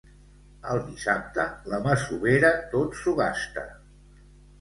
El dissabte la masovera tot s'ho gasta.